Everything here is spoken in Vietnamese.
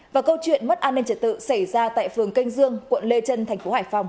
và câu chuyện mất an ninh trật tự xảy ra tại phường canh dương quận lê trân thành phố hải phòng